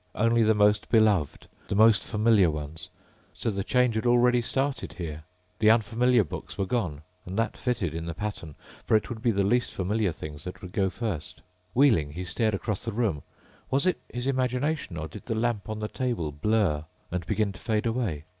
Only the most beloved, the most familiar ones. So the change already had started here! The unfamiliar books were gone and that fitted in the pattern ... for it would be the least familiar things that would go first. Wheeling, he stared across the room. Was it his imagination, or did the lamp on the table blur and begin to fade away?